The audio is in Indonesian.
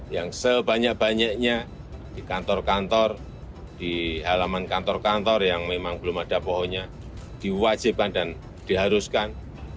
yang sebanyak banyaknya di kantor kantor di halaman kantor kantor yang memang belum ada pohonnya diwajibkan dan diharuskan